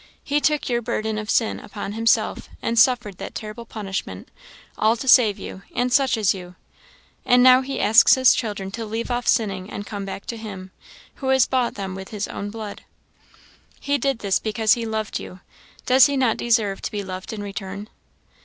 He took your burden of sin upon himself, and suffered that terrible punishment all to save you, and such as you. And now he asks his children to leave off sinning and come back to him, who has bought them with his own blood. He did this because he loved you; does he not deserve to be loved in return?'